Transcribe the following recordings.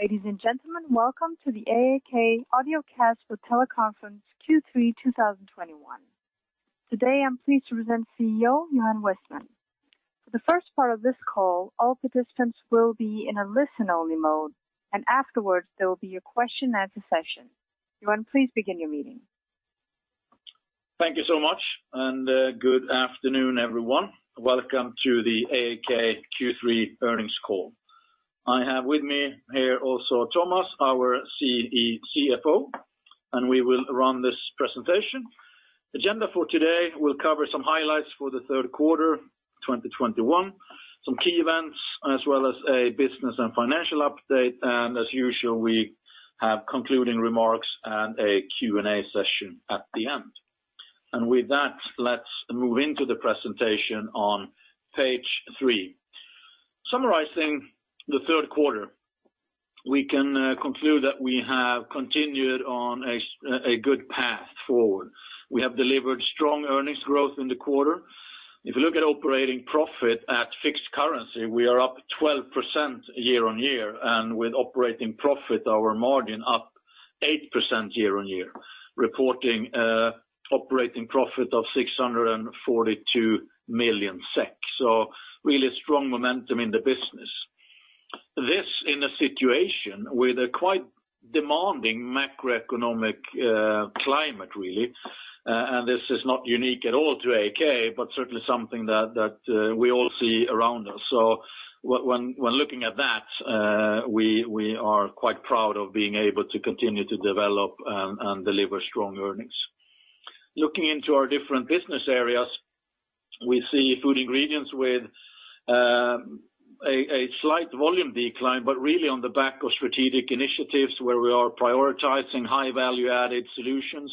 Ladies and gentlemen, welcome to the AAK audiocast for teleconference Q3 2021. Today I'm pleased to present CEO Johan Westman. For the first part of this call, all participants will be in a listen only mode, and afterwards there will be a question and answer session. Johan, please begin your meeting. Thank you so much, and good afternoon, everyone. Welcome to the AAK Q3 earnings call. I have with me here also Tomas, our CFO, and we will run this presentation. Agenda for today will cover some highlights for the third quarter, 2021, some key events, as well as a business and financial update. As usual, we have concluding remarks and a Q&A session at the end. With that, let's move into the presentation on page three. Summarizing the third quarter, we can conclude that we have continued on a good path forward. We have delivered strong earnings growth in the quarter. If you look at operating profit at fixed currency, we are up 12% year-on-year. With operating profit, our margin up 8% year-on-year, reporting operating profit of 642 million SEK. Really strong momentum in the business. This in a situation with a quite demanding macroeconomic climate, really. This is not unique at all to AAK, but certainly something that we all see around us. When looking at that, we are quite proud of being able to continue to develop and deliver strong earnings. Looking into our different business areas, we see Food Ingredients with a slight volume decline, but really on the back of strategic initiatives where we are prioritizing high value added solutions,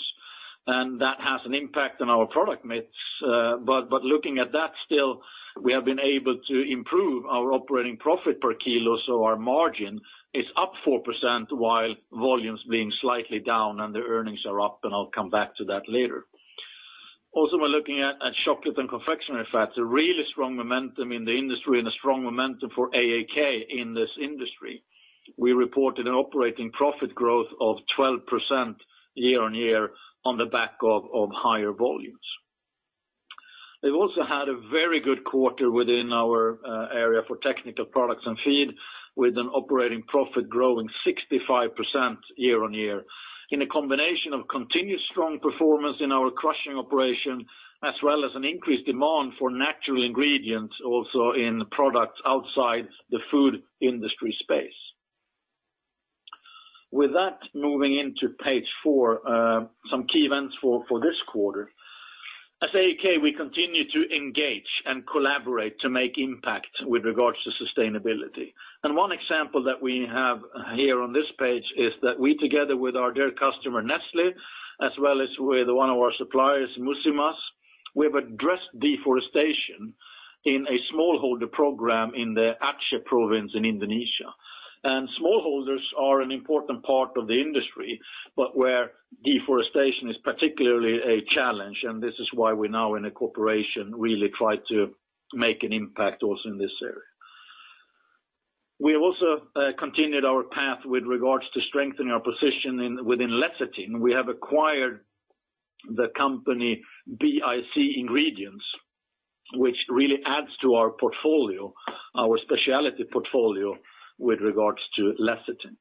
and that has an impact on our product mix. Looking at that still, we have been able to improve our operating profit per kilo. Our margin is up 4% while volumes being slightly down and the earnings are up, and I'll come back to that later. We're looking at chocolate and confectionery fats, a really strong momentum in the industry and a strong momentum for AAK in this industry. We reported an operating profit growth of 12% year-on-year on the back of higher volumes. We've also had a very good quarter within our area for Technical Products and Feed, with an operating profit growing 65% year-on-year in a combination of continued strong performance in our crushing operation, as well as an increased demand for natural ingredients also in products outside the food industry space. With that, moving into page four, some key events for this quarter. As AAK, we continue to engage and collaborate to make impact with regards to sustainability. One example that we have here on this page is that we, together with our dear customer, Nestlé, as well as with one of our suppliers, Musim Mas, we have addressed deforestation in a smallholder program in the Aceh province in Indonesia. Smallholders are an important part of the industry, but where deforestation is particularly a challenge, and this is why we're now in a cooperation, really try to make an impact also in this area. We have also continued our path with regards to strengthening our position in within lecithin. We have acquired the company BIC Ingredients, which really adds to our portfolio, our specialty portfolio with regards to lecithin.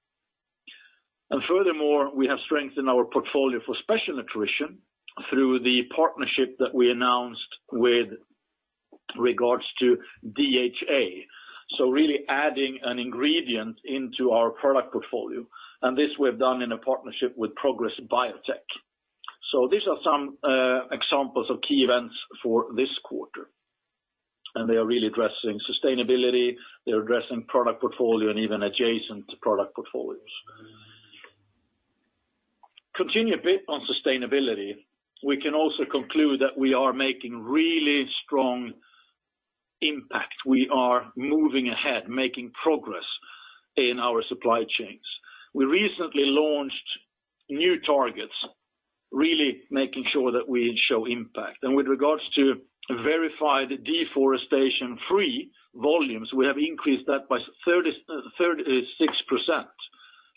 Furthermore, we have strengthened our portfolio for Special Nutrition through the partnership that we announced with regards to DHA. Really adding an ingredient into our product portfolio. This we have done in a partnership with Progress Biotech. These are some examples of key events for this quarter, and they are really addressing sustainability, they're addressing product portfolio and even adjacent product portfolios. Continue a bit on sustainability. We can also conclude that we are making really strong impact. We are moving ahead, making progress in our supply chains. We recently launched new targets, really making sure that we show impact. With regards to verified deforestation free volumes, we have increased that by 36%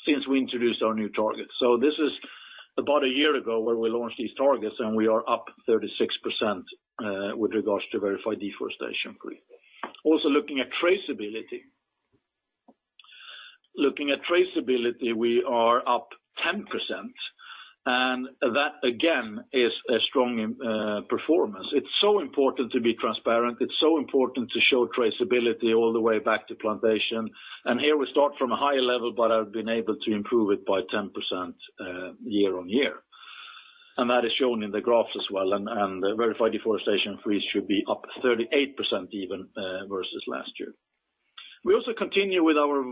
since we introduced our new targets. This is about a year ago where we launched these targets and we are up 36% with regards to verified deforestation free. Also looking at traceability, we are up 10% and that again is a strong performance. It's so important to be transparent. It's so important to show traceability all the way back to plantation. Here we start from a higher level, but I've been able to improve it by 10% year-on-year. That is shown in the graph as well. Verified deforestation free should be up 38% even versus last year. We also continue with our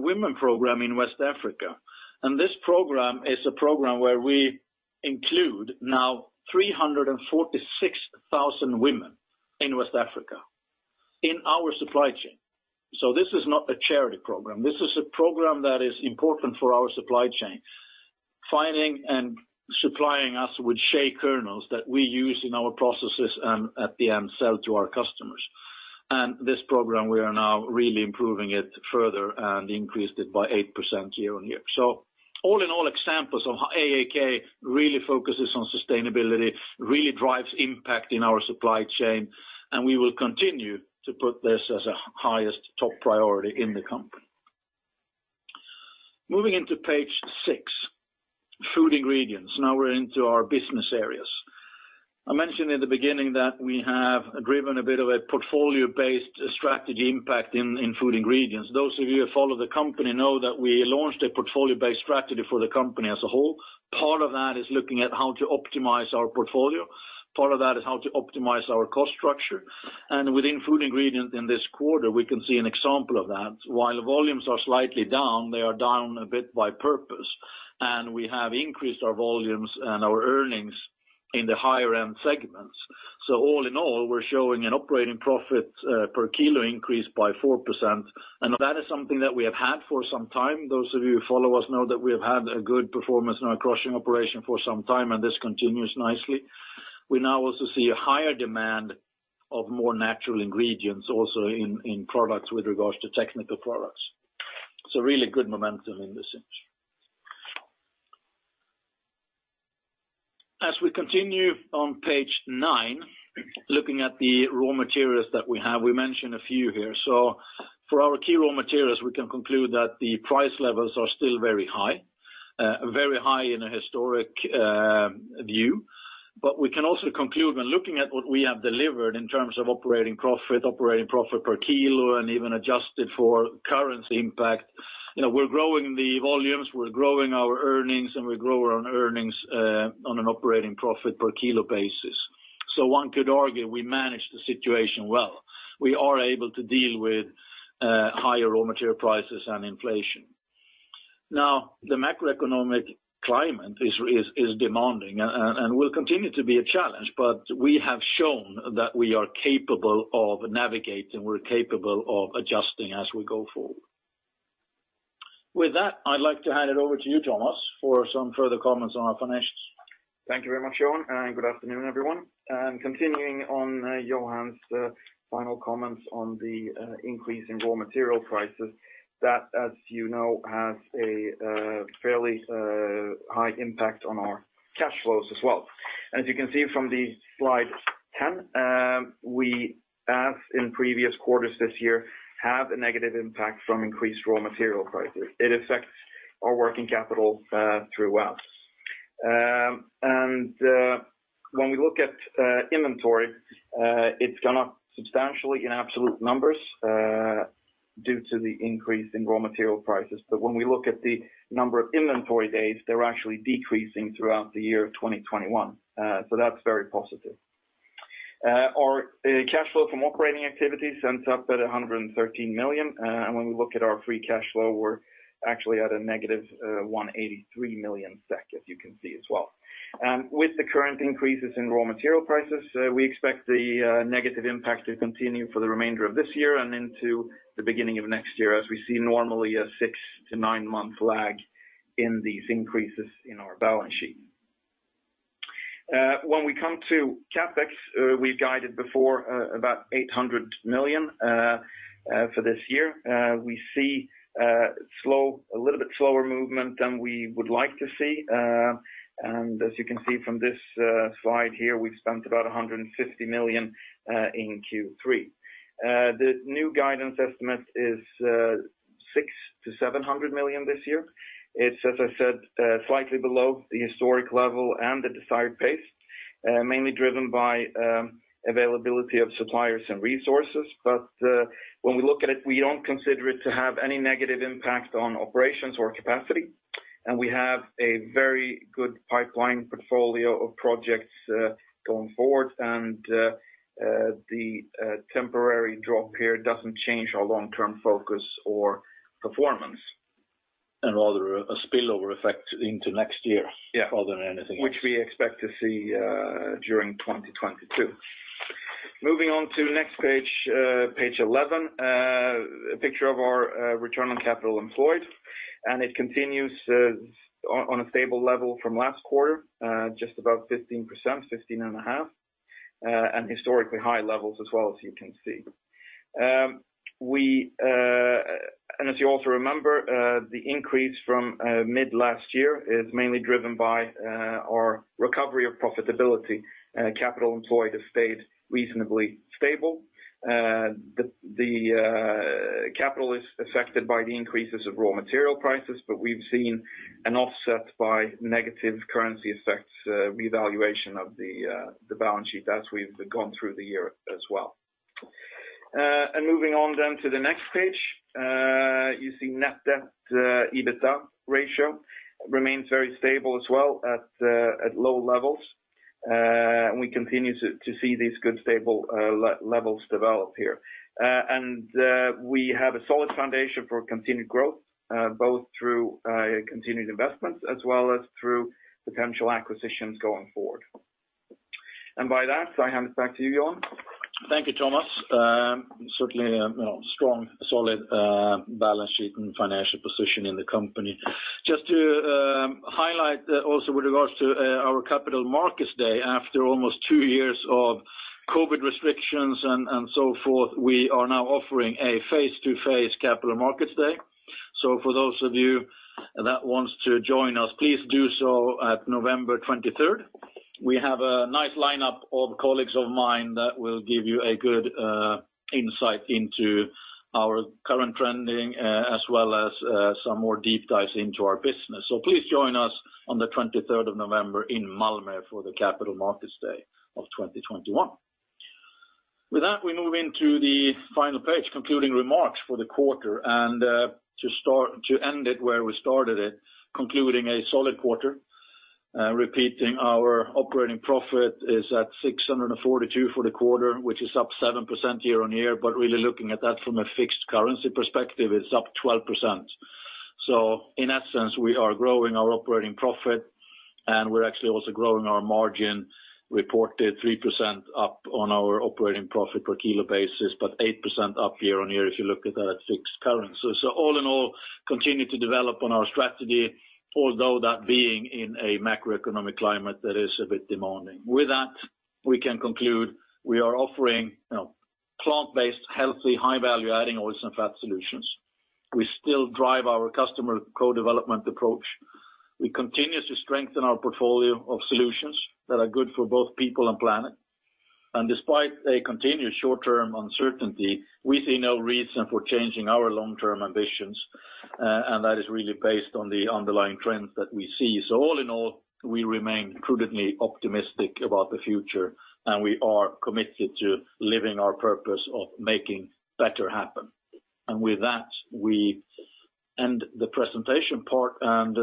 women program in West Africa, and this program is a program where we include now 346,000 women in West Africa in our supply chain. This is not a charity program. This is a program that is important for our supply chain, finding and supplying us with shea kernels that we use in our processes and at the end sell to our customers. This program, we are now really improving it further and increased it by 8% year-on-year. All in all, examples of how AAK really focuses on sustainability, really drives impact in our supply chain, and we will continue to put this as a highest top priority in the company. Moving into page six, Food Ingredients. Now we're into our business areas. I mentioned in the beginning that we have driven a bit of a portfolio-based strategy impact in Food Ingredients. Those of you who follow the company know that we launched a portfolio-based strategy for the company as a whole. Part of that is looking at how to optimize our portfolio, part of that is how to optimize our cost structure. Within Food Ingredients in this quarter, we can see an example of that. While volumes are slightly down, they are down a bit by purpose, and we have increased our volumes and our earnings in the higher end segments. All in all, we're showing an operating profit per kilo increase by 4%, that is something that we have had for some time. Those of you who follow us know that we have had a good performance in our crushing operation for some time, this continues nicely. We now also see a higher demand of more natural ingredients also in products with regards to Technical Products. Really good momentum in this niche. As we continue on page nine, looking at the raw materials that we have, we mentioned a few here. For our key raw materials, we can conclude that the price levels are still very high, very high in a historic view. We can also conclude when looking at what we have delivered in terms of operating profit, operating profit per kilo, and even adjusted for currency impact, you know, we're growing the volumes, we're growing our earnings, and we grow our own earnings on an operating profit per kilo basis. One could argue we manage the situation well. We are able to deal with higher raw material prices and inflation. Now, the macroeconomic climate is demanding and will continue to be a challenge, but we have shown that we are capable of navigating, we're capable of adjusting as we go forward. With that, I'd like to hand it over to you, Tomas, for some further comments on our financials. Thank you very much, Johan, and good afternoon, everyone. Continuing on Johan's final comments on the increase in raw material prices, that, as you know, has a fairly high impact on our cash flows as well. As you can see from the slide 10, we, as in previous quarters this year, have a negative impact from increased raw material prices. It affects our working capital throughout. When we look at inventory, it's gone up substantially in absolute numbers due to the increase in raw material prices. But when we look at the number of inventory days, they're actually decreasing throughout the year of 2021, so that's very positive. Our cash flow from operating activities ends up at 113 million, and when we look at our free cash flow, we're actually at a negative 183 million SEK, as you can see as well. With the current increases in raw material prices, we expect the negative impact to continue for the remainder of this year and into the beginning of next year, as we see normally a six-nine-month lag in these increases in our balance sheet. When we come to CapEx, we've guided before about 800 million for this year. We see a little bit slower movement than we would like to see. As you can see from this slide here, we've spent about 150 million in Q3. The new guidance estimate is 600 million-700 million this year. It's, as I said, slightly below the historic level and the desired pace, mainly driven by availability of suppliers and resources. When we look at it, we don't consider it to have any negative impact on operations or capacity. We have a very good pipeline portfolio of projects going forward. The temporary drop here doesn't change our long-term focus or performance. rather a spillover effect into next year. Yeah rather than anything else. Which we expect to see during 2022. Moving on to next page 11, a picture of our return on capital employed. It continues on a stable level from last quarter, just about 15%, 15.5, and historically high levels as well, as you can see. As you also remember, the increase from mid last year is mainly driven by our recovery of profitability. Capital employed has stayed reasonably stable. The capital is affected by the increases of raw material prices, but we've seen an offset by negative currency effects, revaluation of the balance sheet as we've gone through the year as well. Moving on then to the next page, you see net debt EBITDA ratio remains very stable as well at low levels. We continue to see these good stable levels develop here. We have a solid foundation for continued growth, both through continued investments as well as through potential acquisitions going forward. By that, I hand it back to you, Johan. Thank you, Tomas. Certainly a, you know, strong, solid balance sheet and financial position in the company. Just to highlight also with regards to our Capital Markets Day, after almost two years of COVID restrictions and so forth, we are now offering a face-to-face Capital Markets Day. For those of you that wants to join us, please do so at November 23rd. We have a nice lineup of colleagues of mine that will give you a good insight into our current trending as well as some more deep dives into our business. Please join us on the 23rd of November in Malmö for the Capital Markets Day of twenty twenty-one. With that, we move into the final page, concluding remarks for the quarter. To end it where we started it, concluding a solid quarter, repeating our operating profit is at 642 for the quarter, which is up 7% year-on-year. Really looking at that from a fixed currency perspective, it's up 12%. In essence, we are growing our operating profit, and we're actually also growing our margin, reported 3% up on our operating profit per kilo basis, but 8% up year-on-year if you look at that at fixed currency. All in all, continue to develop on our strategy, although that being in a macroeconomic climate that is a bit demanding. With that, we can conclude we are offering, you know, plant-based, healthy, high value adding oils and fat solutions. We still drive our customer co-development approach. We continue to strengthen our portfolio of solutions that are good for both people and planet. Despite a continued short-term uncertainty, we see no reason for changing our long-term ambitions, and that is really based on the underlying trends that we see. All in all, we remain prudently optimistic about the future, and we are committed to living our purpose of making better happen. With that, we end the presentation part and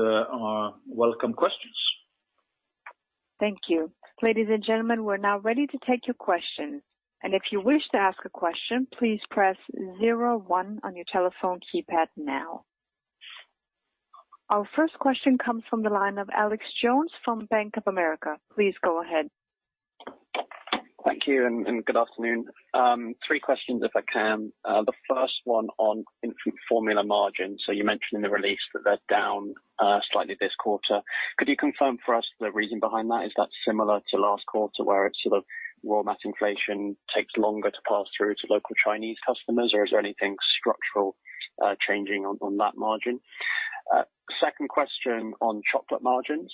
welcome questions. Thank you. Ladies and gentlemen, we're now ready to take your questions. If you wish to ask a question, please press zero one on your telephone keypad now. Our first question comes from the line of Alex Jones from Bank of America. Please go ahead. Thank you, good afternoon. Three questions, if I can. The first one on infant formula margins. You mentioned in the release that they're down slightly this quarter. Could you confirm for us the reason behind that? Is that similar to last quarter, where it's sort of raw material inflation takes longer to pass through to local Chinese customers, or is there anything structural changing on that margin? Second question on chocolate margins.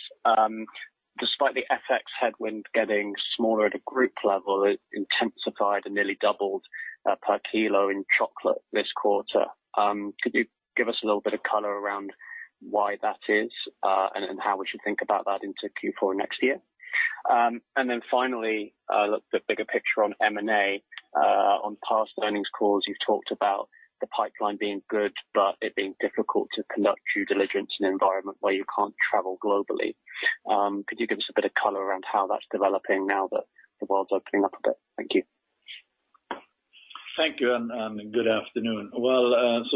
Despite the FX headwind getting smaller at a group level, it intensified and nearly doubled per kilo in chocolate this quarter. Could you give us a little bit of color around why that is, and how we should think about that into Q4 next year? And then finally, look the bigger picture on M&A. On past earnings calls, you've talked about the pipeline being good, but it being difficult to conduct due diligence in an environment where you can't travel globally. Could you give us a bit of color around how that's developing now that the world's opening up a bit? Thank you. Thank you. Good afternoon. Well,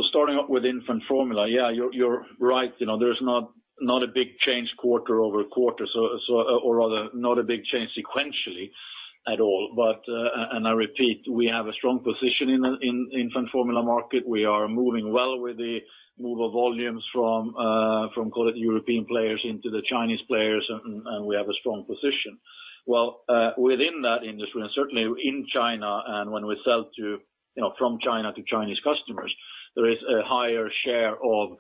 starting up with infant formula, yeah, you're right. You know, there's not a big change quarter-over-quarter. Or rather not a big change sequentially at all. I repeat, we have a strong position in infant formula market. We are moving well with the move of volumes from call it European players into the Chinese players, and we have a strong position. Well, within that industry, and certainly in China, and when we sell to, you know, from China to Chinese customers, there is a higher share of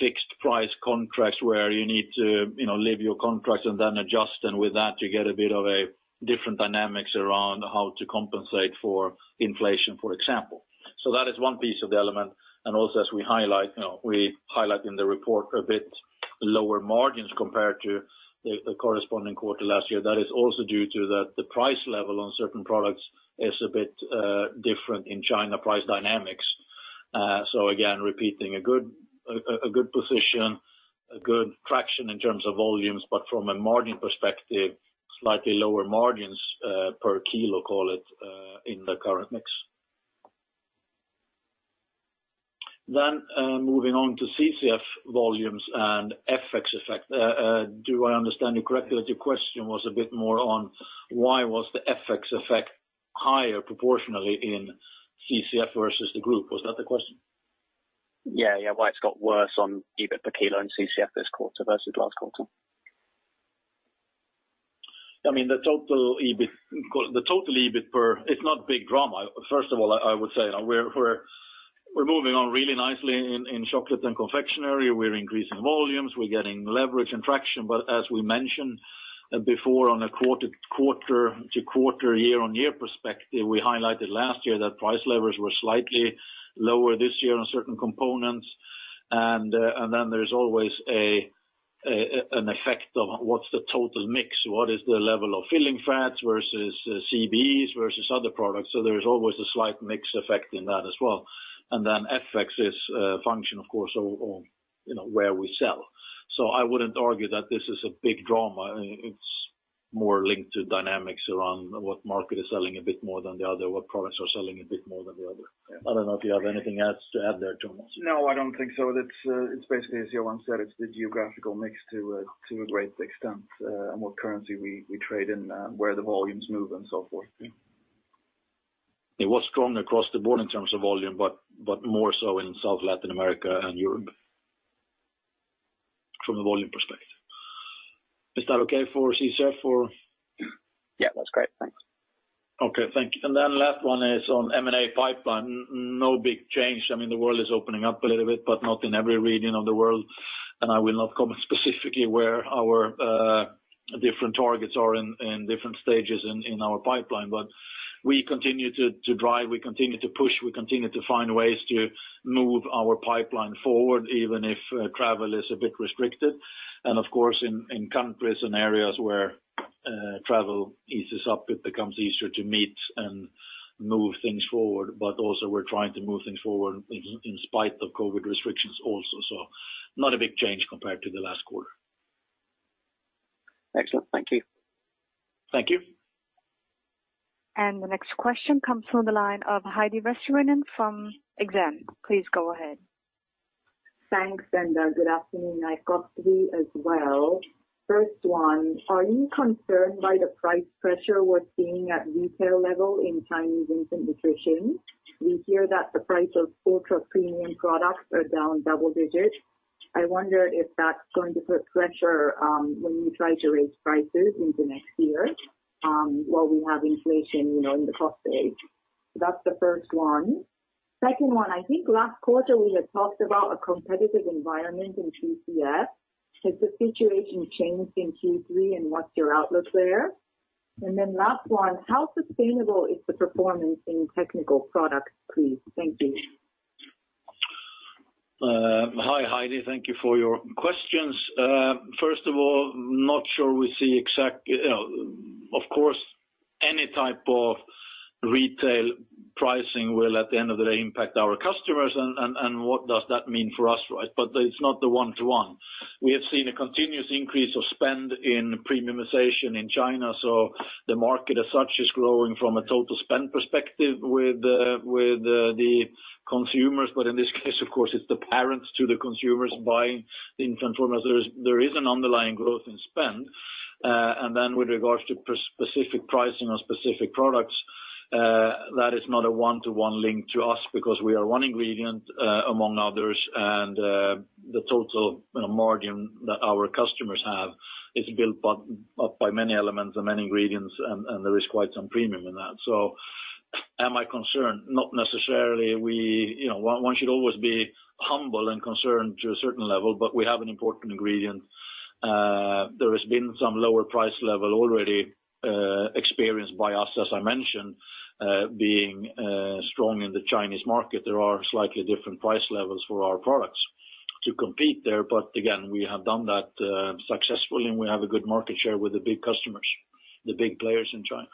fixed price contracts where you need to, you know, leave your contracts and then adjust. With that, you get a bit of a different dynamics around how to compensate for inflation, for example. That is one piece of the element. Also, as we highlight, we highlight in the report a bit lower margins compared to the corresponding quarter last year. That is also due to the price level on certain products is a bit different in Chinese price dynamics. Again, repeating a good position, a good traction in terms of volumes, but from a margin perspective, slightly lower margins per kilo, call it, in the current mix. Moving on to CCF volumes and FX effect. Do I understand you correctly that your question was a bit more on why was the FX effect higher proportionally in CCF versus the group? Was that the question? Yeah, yeah. Why it's got worse on EBIT per kilo in CCF this quarter versus last quarter? I mean, the total EBIT per. It's not big drama. First of all, I would say we're moving on really nicely in chocolate and confectionery. We're increasing volumes, we're getting leverage and traction. As we mentioned before on a quarter-to-quarter, year-on-year perspective, we highlighted last year that price levers were slightly lower this year on certain components. Then there's always an effect of what's the total mix? What is the level of filling fats versus CBEs versus other products? There's always a slight mix effect in that as well. FX is a function, of course, of you know, where we sell. I wouldn't argue that this is a big drama. It's more linked to dynamics around what market is selling a bit more than the other, what products are selling a bit more than the other. I don't know if you have anything else to add there, Tomas. No, I don't think so. That's, it's basically, as Johan said, it's the geographical mix to a great extent, and what currency we trade in, where the volumes move and so forth. It was strong across the board in terms of volume, but more so in South America, Latin America and Europe from a volume perspective. Is that okay for Cesar? Yeah, that's great. Thanks. Okay, thank you. Last one is on M&A pipeline. No big change. I mean, the world is opening up a little bit, but not in every region of the world. I will not comment specifically where our different targets are in different stages in our pipeline. We continue to drive, we continue to push, we continue to find ways to move our pipeline forward, even if travel is a bit restricted. Of course, in countries and areas where travel eases up, it becomes easier to meet and move things forward. Also we're trying to move things forward in spite of COVID restrictions also. Not a big change compared to the last quarter. Excellent. Thank you. Thank you. The next question comes from the line of Heidi Vesterinen from Exane. Please go ahead. Thanks, and good afternoon. I've got three as well. First one, are you concerned by the price pressure we're seeing at retail level in Chinese infant nutrition? We hear that the price of ultra-premium products are down double-digit. I wonder if that's going to put pressure when you try to raise prices into next year while we have inflation, you know, in the cost base. That's the first one. Second one, I think last quarter we had talked about a competitive environment in CCF. Has the situation changed in Q3, and what's your outlook there? Last one, how sustainable is the performance in Technical Products, please? Thank you. Hi, Heidi. Thank you for your questions. First of all, not sure we see exact. You know, of course, any type of retail pricing will, at the end of the day, impact our customers and what does that mean for us, right? It's not the one-to-one. We have seen a continuous increase of spend in premiumization in China, so the market as such is growing from a total spend perspective with the consumers. In this case, of course, it's the parents to the consumers buying infant formula. There is an underlying growth in spend. Then with regards to specific pricing on specific products, that is not a one-to-one link to us because we are one ingredient among others. The total, you know, margin that our customers have is built by, up by many elements and many ingredients, and there is quite some premium in that. Am I concerned? Not necessarily. You know, one should always be humble and concerned to a certain level, but we have an important ingredient. There has been some lower price level already experienced by us. As I mentioned, being strong in the Chinese market, there are slightly different price levels for our products to compete there. But again, we have done that successfully, and we have a good market share with the big customers, the big players in China.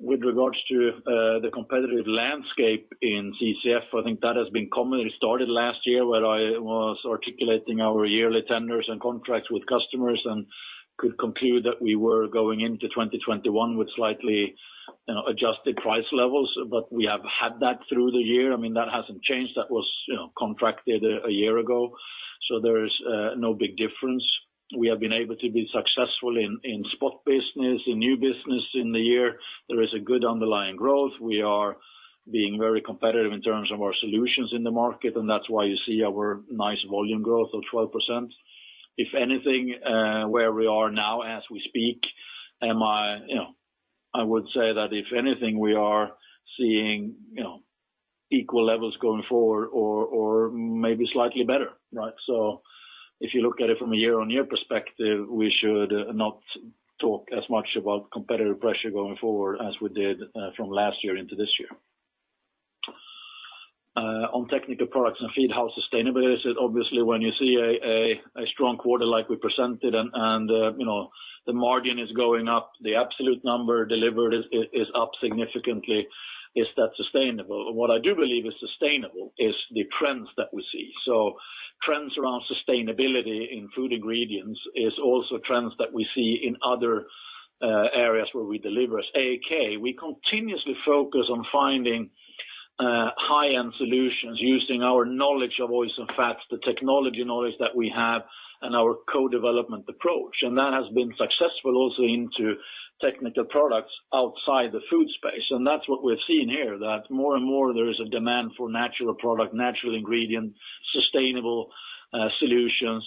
With regards to the competitive landscape in CCF, I think that has been commonly stated last year, where I was articulating our yearly tenders and contracts with customers and could conclude that we were going into 2021 with slightly, you know, adjusted price levels. We have had that through the year. I mean, that hasn't changed. That was, you know, contracted a year ago. There is no big difference. We have been able to be successful in spot business, in new business in the year. There is a good underlying growth. We are being very competitive in terms of our solutions in the market, and that's why you see our nice volume growth of 12%. If anything, where we are now as we speak. You know, I would say that if anything, we are seeing, you know, equal levels going forward or maybe slightly better, right? If you look at it from a year-on-year perspective, we should not talk as much about competitive pressure going forward as we did from last year into this year. On Technical Products & Feed, how sustainable is it? Obviously, when you see a strong quarter like we presented and, you know, the margin is going up, the absolute number delivered is up significantly. Is that sustainable? What I do believe is sustainable is the trends that we see. Trends around sustainability in Food Ingredients is also trends that we see in other areas where we deliver. As AAK, we continuously focus on finding high-end solutions using our knowledge of oils and fats, the technology knowledge that we have, and our co-development approach. That has been successful also into technical products outside the food space. That's what we've seen here, that more and more there is a demand for natural product, natural ingredient, sustainable solutions,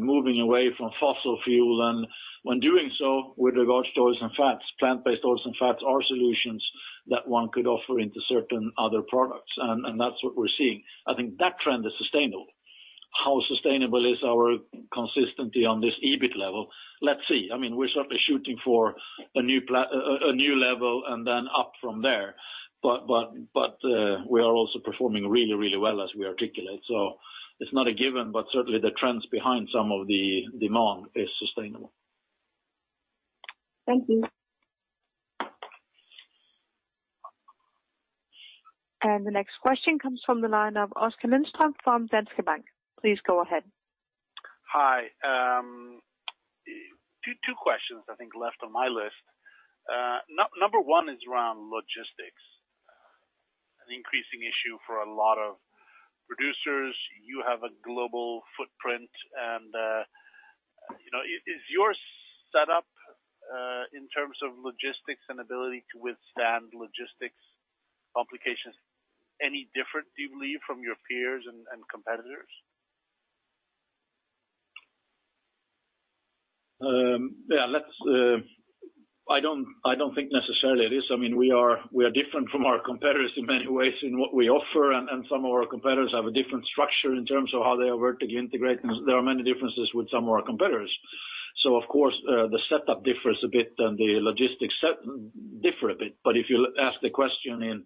moving away from fossil fuel. When doing so, with regards to oils and fats, plant-based oils and fats are solutions that one could offer into certain other products. That's what we're seeing. I think that trend is sustainable. How sustainable is our consistency on this EBIT level? Let's see. I mean, we're certainly shooting for a new level and then up from there. But we are also performing really, really well as we articulate. It's not a given, but certainly the trends behind some of the demand is sustainable. Thank you. The next question comes from the line of Oskar Lindström from Danske Bank. Please go ahead. Hi. Two questions I think left on my list. Number one is around logistics. An increasing issue for a lot of producers. You have a global footprint and, you know, is your setup in terms of logistics and ability to withstand logistics complications any different, do you believe, from your peers and competitors? I don't think necessarily it is. I mean, we are different from our competitors in many ways in what we offer and some of our competitors have a different structure in terms of how they are vertically integrated, and there are many differences with some of our competitors. Of course, the setup differs a bit and the logistics setup differ a bit. If you ask the question in,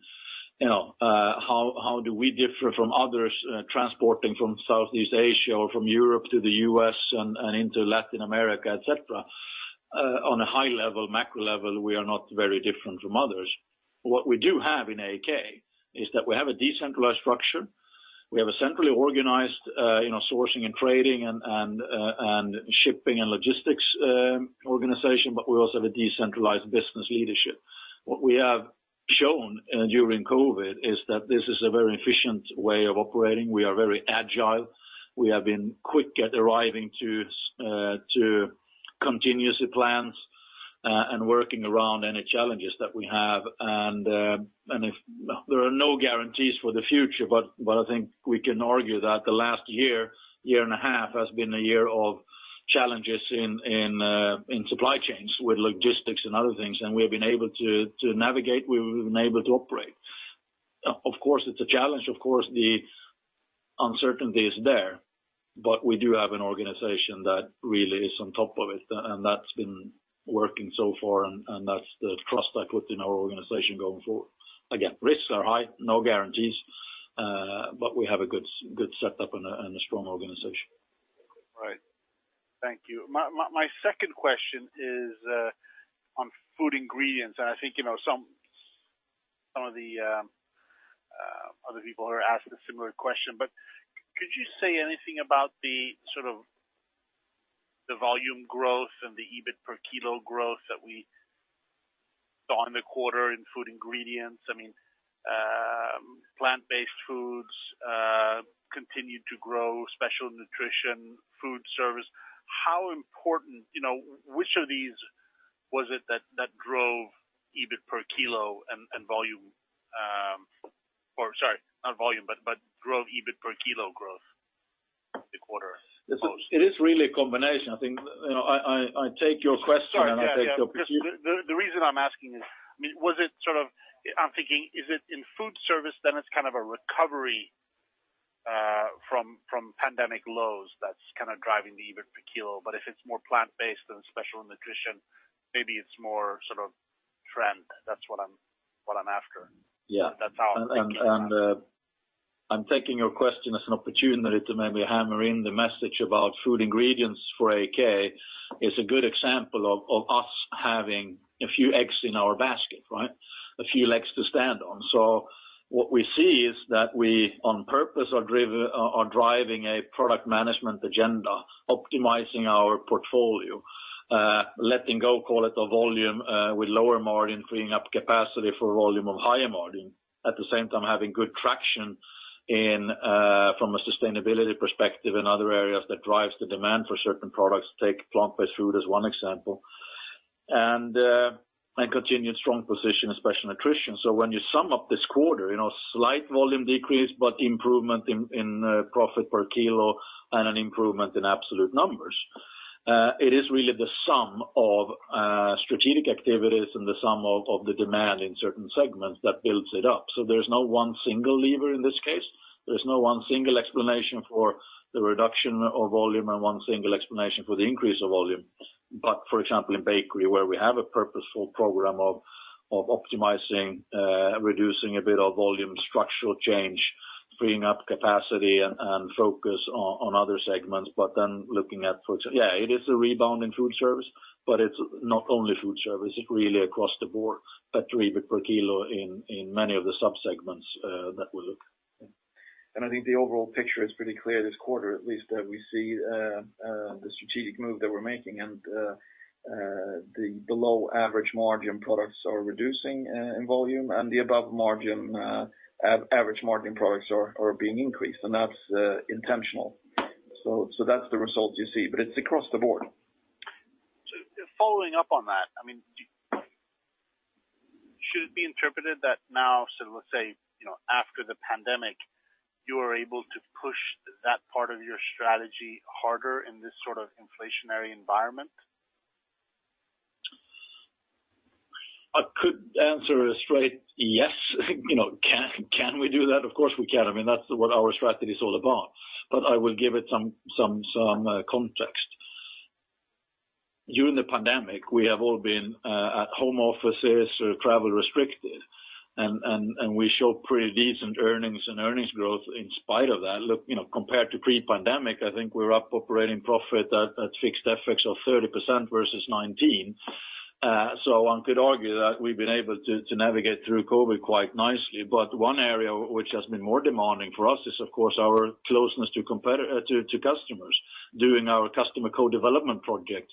you know, how do we differ from others, transporting from Southeast Asia or from Europe to the U.S. and into Latin America, et cetera, on a high level, macro level, we are not very different from others. What we do have in AAK is that we have a decentralized structure. We have a centrally organized, you know, sourcing and trading and shipping and logistics organization, but we also have a decentralized business leadership. What we have shown during COVID is that this is a very efficient way of operating. We are very agile. We have been quick at arriving to contingency plans and working around any challenges that we have. There are no guarantees for the future, but I think we can argue that the last year and a half has been a year of challenges in supply chains with logistics and other things, and we have been able to navigate. We've been able to operate. Of course, it's a challenge, of course, the uncertainty is there, but we do have an organization that really is on top of it, and that's been working so far and that's the trust I put in our organization going forward. Again, risks are high, no guarantees, but we have a good setup and a strong organization. Right. Thank you. My second question is on Food Ingredients, and I think, you know, some of the other people are asking a similar question. Could you say anything about the sort of volume growth and the EBIT per kilo growth that we saw in the quarter in Food Ingredients? I mean, plant-based foods continued to grow, Special Nutrition, food service. How important, you know, which of these was it that drove EBIT per kilo and volume? Or sorry, not volume, but drove EBIT per kilo growth the quarter the most? It is really a combination. I think, you know, I take your question- Sorry. Yeah, yeah.... and I take your- Because the reason I'm asking is, I mean, was it sort of, I'm thinking, is it in food service, then it's kind of a recovery from pandemic lows that's kind of driving the EBIT per kilo. But if it's more plant-based and Special Nutrition, maybe it's more sort of trend. That's what I'm after. Yeah. That's how I'm thinking about it. I'm taking your question as an opportunity to maybe hammer in the message about Food Ingredients for AAK is a good example of us having a few eggs in our basket, right? A few legs to stand on. What we see is that we, on purpose, are driving a product management agenda, optimizing our portfolio, letting go, call it a volume, with lower margin, freeing up capacity for volume of higher margin. At the same time, having good traction in from a sustainability perspective in other areas that drives the demand for certain products, take plant-based food as one example. Continued strong position in Special Nutrition. When you sum up this quarter, you know, slight volume decrease, but improvement in profit per kilo and an improvement in absolute numbers. It is really the sum of strategic activities and the sum of the demand in certain segments that builds it up. There's no one single lever in this case. There's no one single explanation for the reduction of volume and one single explanation for the increase of volume. For example, in bakery, where we have a purposeful program of optimizing, reducing a bit of volume, structural change, freeing up capacity and focus on other segments. It is a rebound in food service, but it's not only food service. It's really across the board, that EBIT per kilo in many of the sub-segments that we look at. I think the overall picture is pretty clear this quarter, at least that we see, the strategic move that we're making and, the below average margin products are reducing in volume, and the above average margin products are being increased, and that's intentional. That's the result you see, but it's across the board. Following up on that, I mean, Should it be interpreted that now, so let's say, you know, after the pandemic, you are able to push that part of your strategy harder in this sort of inflationary environment? I could answer a straight yes. You know, can we do that? Of course, we can. I mean, that's what our strategy is all about. I will give it some context. During the pandemic, we have all been at home offices or travel restricted, and we show pretty decent earnings and earnings growth in spite of that. Look, you know, compared to pre-pandemic, I think we're up operating profit at fixed FX of 30% versus 19%. One could argue that we've been able to navigate through COVID quite nicely. One area which has been more demanding for us is of course our closeness to customers, doing our customer co-development projects,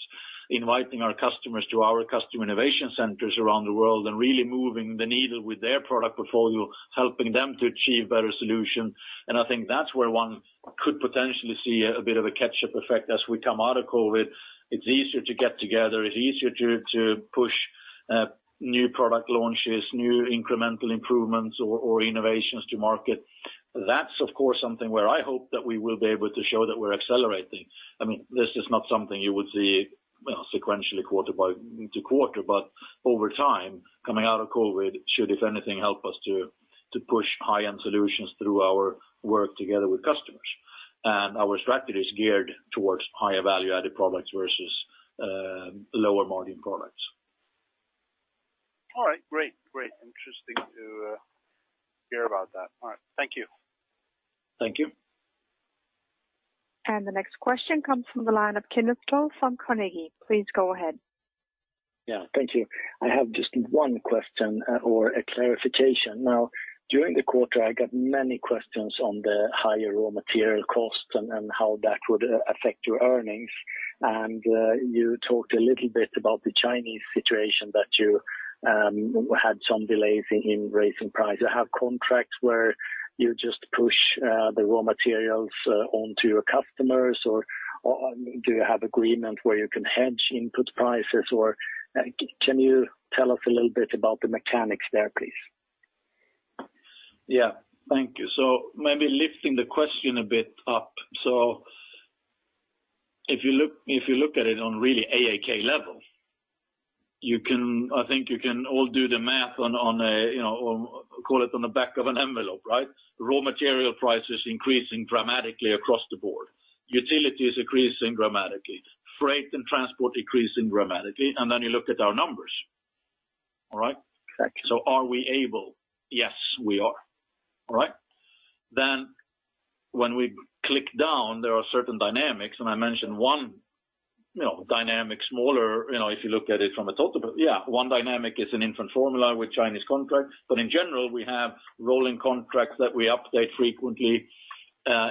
inviting our customers to our customer innovation centers around the world and really moving the needle with their product portfolio, helping them to achieve better solution. I think that's where one could potentially see a bit of a catch-up effect as we come out of COVID. It's easier to get together. It's easier to push new product launches, new incremental improvements or innovations to market. That's of course something where I hope that we will be able to show that we're accelerating. I mean, this is not something you would see sequentially quarter to quarter, but over time, coming out of COVID should, if anything, help us to push high-end solutions through our work together with customers. Our strategy is geared towards higher value-added products versus lower margin products. All right, great. Interesting to hear about that. All right. Thank you. Thank you. The next question comes from the line of Kenneth Toll from Carnegie. Please go ahead. Yeah, thank you. I have just one question or a clarification. Now, during the quarter, I got many questions on the higher raw material costs and how that would affect your earnings. You talked a little bit about the Chinese situation that you had some delays in raising prices. Do you have contracts where you just push the raw materials onto your customers or do you have agreement where you can hedge input prices? Or can you tell us a little bit about the mechanics there, please? Yeah. Thank you. Maybe lifting the question a bit up. If you look at it on really AAK level, I think you can all do the math on a, you know, or call it on the back of an envelope, right? Raw material prices increasing dramatically across the board. Utilities increasing dramatically. Freight and transport increasing dramatically. Then you look at our numbers. All right? Exactly. Are we able? Yes, we are. All right? When we drill down, there are certain dynamics, and I mentioned one, you know, dynamic smaller, you know, if you look at it from a total, but yeah, one dynamic is an infant formula with Chinese contracts. In general, we have rolling contracts that we update frequently,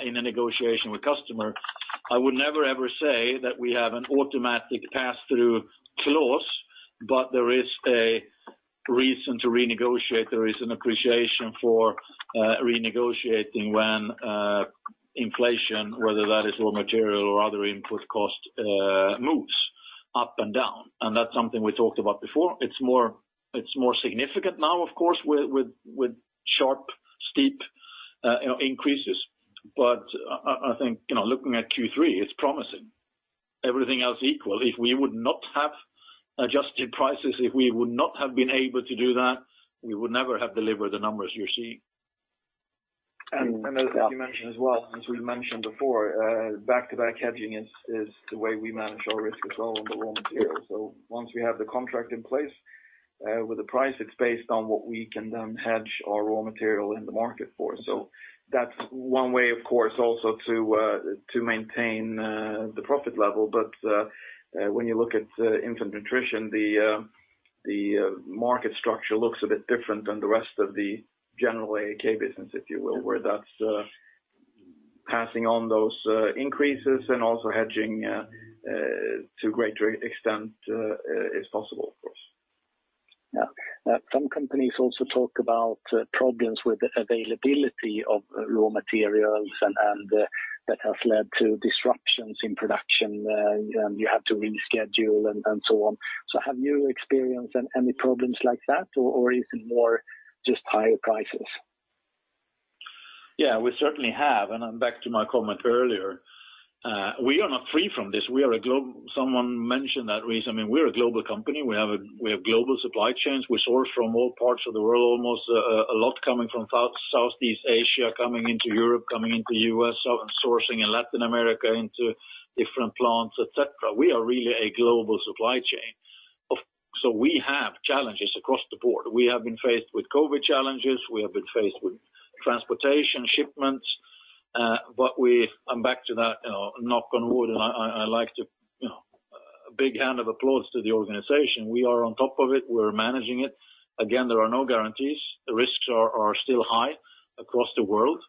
in a negotiation with customer. I would never ever say that we have an automatic pass-through clause, but there is a reason to renegotiate. There is an appreciation for, renegotiating when, inflation, whether that is raw material or other input cost, moves up and down. That's something we talked about before. It's more significant now, of course, with sharp, steep, you know, increases. I think, you know, looking at Q3, it's promising. Everything else equal. If we would not have adjusted prices, if we would not have been able to do that, we would never have delivered the numbers you're seeing. As you mentioned as well, as we mentioned before, back-to-back hedging is the way we manage our risk as well on the raw material. Once we have the contract in place with the price, it's based on what we can then hedge our raw material in the market for. That's one way, of course, also to maintain the profit level. When you look at infant nutrition, the market structure looks a bit different than the rest of the general AAK business, if you will, where that's passing on those increases and also hedging to a greater extent is possible, of course. Yeah. Some companies also talk about problems with availability of raw materials and that has led to disruptions in production and you have to reschedule and so on. Have you experienced any problems like that or is it more just higher prices? Yeah, we certainly have. I'm back to my comment earlier. We are not free from this. Someone mentioned that reason. I mean, we're a global company. We have global supply chains. We source from all parts of the world, almost, a lot coming from South-Southeast Asia, coming into Europe, coming into U.S., sourcing in Latin America into different plants, et cetera. We are really a global supply chain. We have challenges across the board. We have been faced with COVID challenges. We have been faced with transportation shipments. I'm back to that, you know, knock on wood, and I like to, you know, a big hand of applause to the organization. We are on top of it. We're managing it. Again, there are no guarantees. The risks are still high across the world,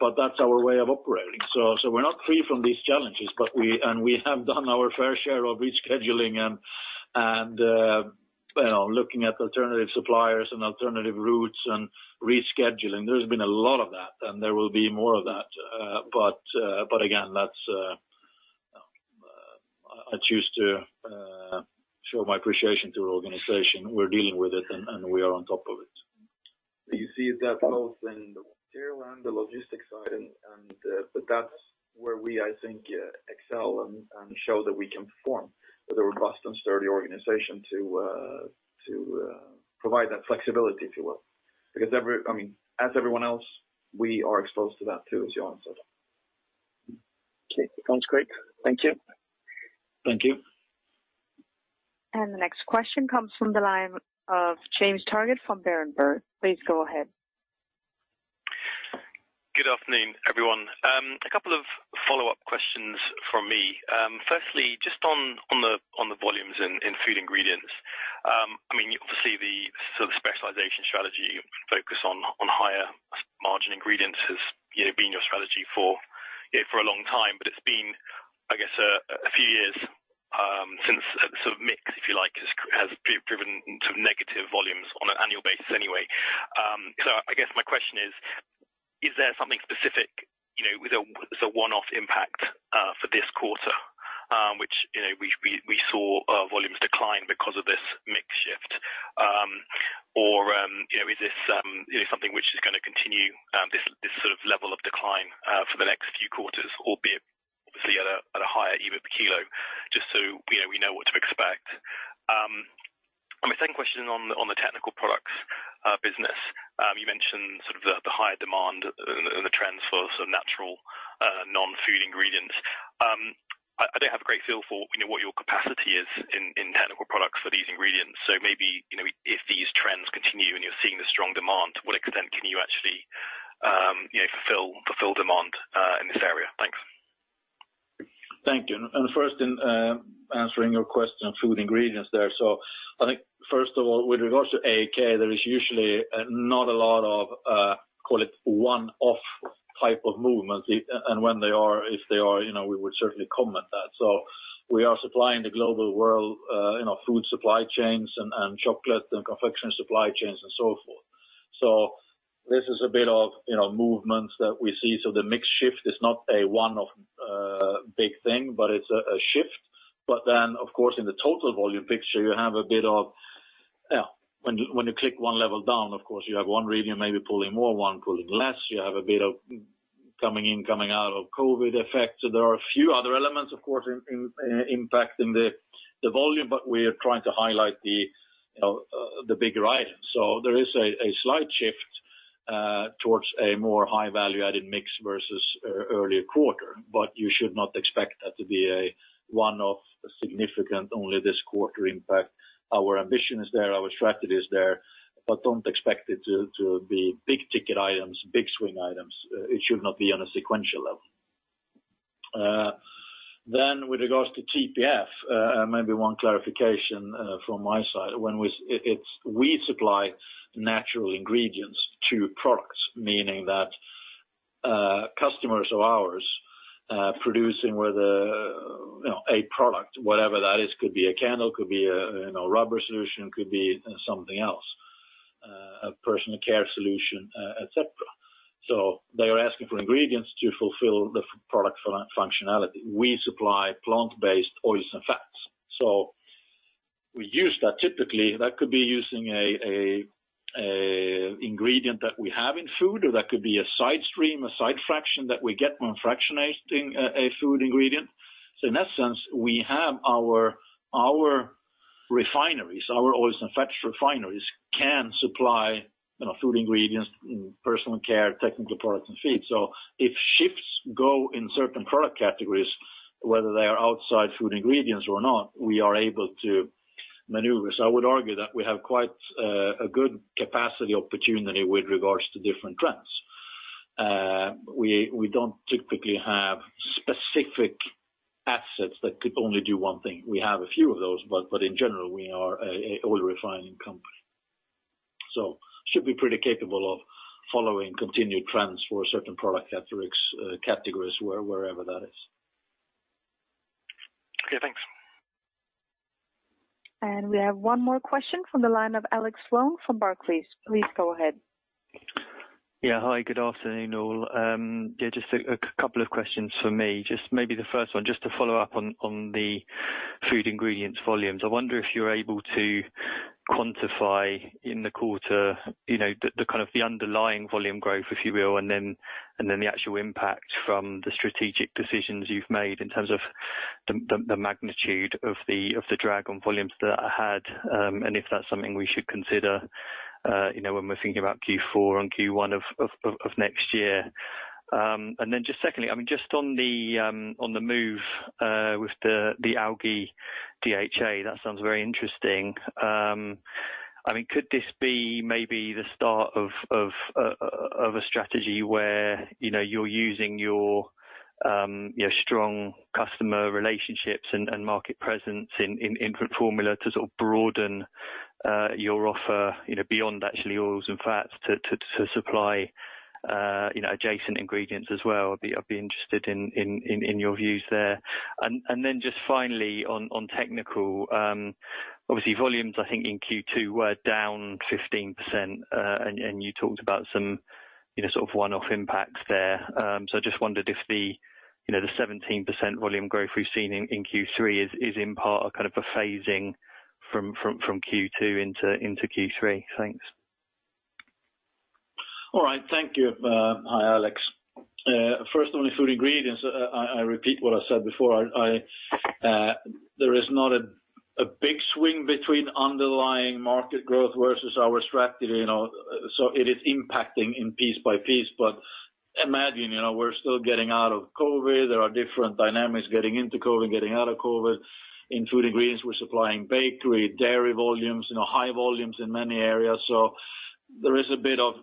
but that's our way of operating. We're not free from these challenges, but we have done our fair share of rescheduling and you know, looking at alternative suppliers and alternative routes and rescheduling. There's been a lot of that, and there will be more of that. But again, that's, I choose to show my appreciation to our organization. We're dealing with it and we are on top of it. You see that both in the material and the logistics side and, but that's where we, I think, excel and show that we can perform with a robust and sturdy organization to provide that flexibility, if you will. Because, I mean, as everyone else, we are exposed to that too, as Johan said. Okay. Sounds great. Thank you. Thank you. The next question comes from the line of James Target from Berenberg. Please go ahead. Good afternoon, everyone. A couple of follow-up questions from me. Firstly, just on the volumes in Food Ingredients. I mean, obviously the sort of specialization strategy focus on higher margin ingredients has, you know, been your strategy for, you know, for a long time, but it's been, I guess, a few years since sort of mix, if you like, has driven into negative volumes on an annual basis anyway. So I guess my question is: Is there something specific, you know, is a one-off impact for this quarter, which, you know, we saw volumes decline because of this mix shift? Or, you know, is this something which is gonna continue this sort of level of decline for the next few quarters, albeit obviously at a higher EBIT kilo, just so, you know, we know what to expect? My second question on the technical products business, you mentioned sort of the higher demand and the trends for sort of natural non-food ingredients. I don't have a great feel for, you know, what your capacity is in technical products for these ingredients. Maybe, you know, if these trends continue and you're seeing the strong demand, to what extent can you actually, you know, fulfill demand in this area? Thanks. Thank you. First, in answering your question on Food Ingredients there. I think first of all, with regards to AAK, there is usually not a lot of call it one-off type of movements. When they are, if they are, you know, we would certainly comment that. We are supplying the global world, you know, food supply chains and chocolate and confection supply chains and so forth. This is a bit of, you know, movements that we see. The mix shift is not a one-off big thing, but it's a shift. Then of course, in the total volume picture, you have a bit of when you click one level down, of course you have one region maybe pulling more, one pulling less. You have a bit of coming in, coming out of COVID effect. There are a few other elements of course, impacting the volume, but we are trying to highlight the bigger items. There is a slight shift towards a more high value-added mix versus earlier quarter. You should not expect that to be a one-off significant only this quarter impact. Our ambition is there, our strategy is there, but don't expect it to be big ticket items, big swing items. It should not be on a sequential level. With regards to TPF, maybe one clarification from my side. It's, we supply natural ingredients to products, meaning that customers of ours producing whether, you know, a product, whatever that is, could be a candle, could be a you know, rubber solution, could be something else, a personal care solution, et cetera. They're asking for ingredients to fulfill the product functionality. We supply plant-based oils and fats. We use that typically, that could be using an ingredient that we have in food, or that could be a side stream, a side fraction that we get when fractionating a food ingredient. In that sense, we have our refineries, our oils and fats refineries can supply food ingredients in personal care, technical products and feed. If shifts go in certain product categories, whether they're outside food ingredients or not, we are able to maneuver. I would argue that we have quite a good capacity opportunity with regards to different trends. We don't typically have specific assets that could only do one thing. We have a few of those, but in general, we are an oil refining company. Should be pretty capable of following continued trends for certain product categories wherever that is. Okay, thanks. We have one more question from the line of Alex Sloane from Barclays. Please go ahead. Yeah. Hi, good afternoon, all. Yeah, just a couple of questions from me. Just maybe the first one, just to follow up on the Food Ingredients volumes. I wonder if you're able to quantify in the quarter, you know, the kind of the underlying volume growth, if you will, and then the actual impact from the strategic decisions you've made in terms of the magnitude of the drag on volumes that are had. If that's something we should consider, you know, when we're thinking about Q4 and Q1 of next year. Then just secondly, I mean, just on the move with the algae DHA, that sounds very interesting. I mean, could this be maybe the start of a strategy where, you know, you are using your strong customer relationships and market presence in formula to sort of broaden your offer, you know, beyond actually oils and fats to supply, you know, adjacent ingredients as well? I'd be interested in your views there. Then just finally on technical, obviously volumes I think in Q2 were down 15%. And you talked about some, you know, sort of one-off impacts there. I just wondered if the 17% volume growth we've seen in Q3 is in part a kind of a phasing from Q2 into Q3. Thanks. All right. Thank you. Hi, Alex. First on the Food Ingredients, I repeat what I said before. There is not a big swing between underlying market growth versus our strategy, you know, so it is impacting piece by piece. Imagine, you know, we're still getting out of COVID. There are different dynamics getting into COVID, getting out of COVID. In Food Ingredients, we're supplying bakery, dairy volumes, you know, high volumes in many areas. There is a bit of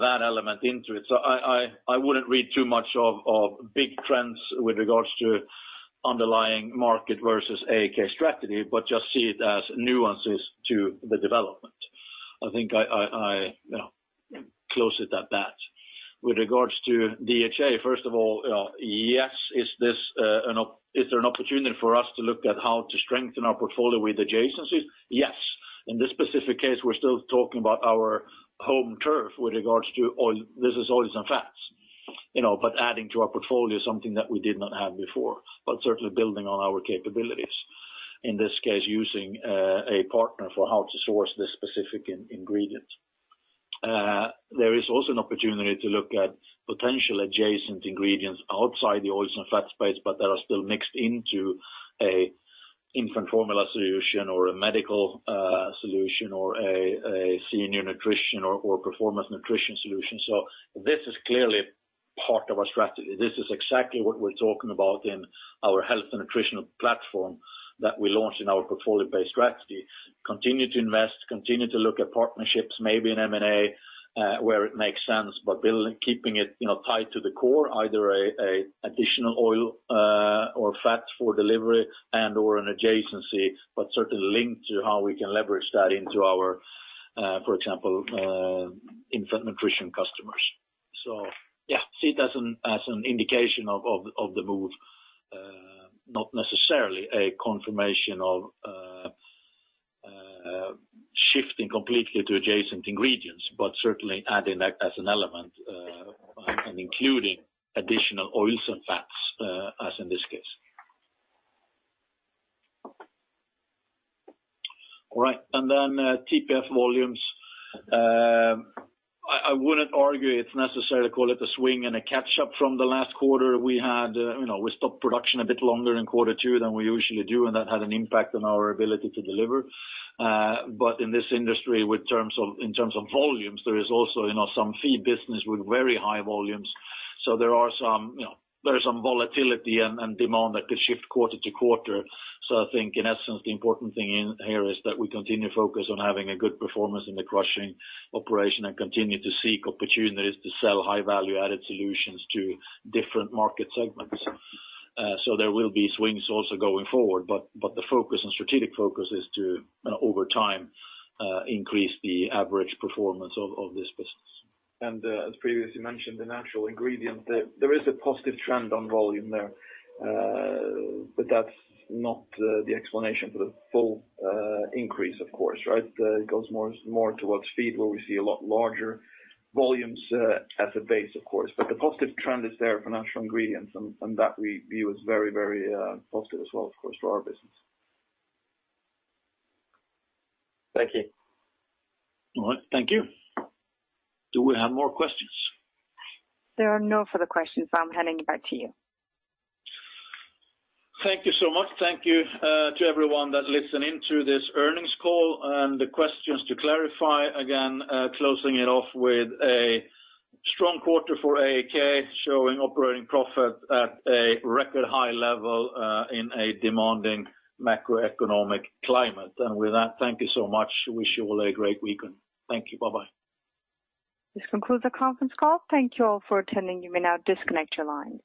that element into it. So I wouldn't read too much of big trends with regards to underlying market versus AAK strategy, but just see it as nuances to the development. I think, you know, I close it at that. With regards to DHA, first of all, yes, is there an opportunity for us to look at how to strengthen our portfolio with adjacencies? Yes. In this specific case, we're still talking about our home turf with regards to oil. This is oils and fats, you know, but adding to our portfolio something that we did not have before, but certainly building on our capabilities, in this case, using a partner for how to source the specific ingredient. There is also an opportunity to look at potential adjacent ingredients outside the oils and fats space, but that are still mixed into an infant formula solution or a medical solution or a senior nutrition or performance nutrition solution. This is clearly part of our strategy. This is exactly what we're talking about in our health and nutritional platform that we launched in our portfolio-based strategy. Continue to invest, continue to look at partnerships, maybe in M&A, where it makes sense, but keeping it, you know, tied to the core, either a additional oil or fats for delivery and/or an adjacency, but certainly linked to how we can leverage that into our, for example, infant nutrition customers. Yeah, see it as an indication of the move, not necessarily a confirmation of shifting completely to adjacent ingredients, but certainly adding that as an element, and including additional oils and fats, as in this case. All right, then TPF volumes. I wouldn't argue it's necessary to call it a swing and a catch-up from the last quarter. We had, you know, we stopped production a bit longer in quarter two than we usually do, and that had an impact on our ability to deliver. In this industry, in terms of volumes, there is also, you know, some feed business with very high volumes. There is some volatility and demand that could shift quarter to quarter. I think in essence, the important thing in here is that we continue to focus on having a good performance in the crushing operation and continue to seek opportunities to sell high value-added solutions to different market segments. There will be swings also going forward, but the focus and strategic focus is to over time increase the average performance of this business. As previously mentioned, the natural ingredient, there is a positive trend on volume there. That's not the explanation for the full increase, of course, right? It goes more towards feed, where we see a lot larger volumes, as a base, of course. The positive trend is there for natural ingredients, and that we view as very positive as well, of course, for our business. Thank you. All right. Thank you. Do we have more questions? There are no further questions. I'm handing it back to you. Thank you so much. Thank you, to everyone that listened in to this earnings call and the questions to clarify. Again, closing it off with a strong quarter for AAK, showing operating profit at a record high level, in a demanding macroeconomic climate. With that, thank you so much. Wish you all a great weekend. Thank you. Bye-bye. This concludes the conference call. Thank you all for attending. You may now disconnect your lines.